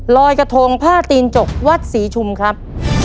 รอยกระทงผ้าตีนจกวัดศรีชุมครับ